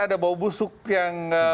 ada bau busuk yang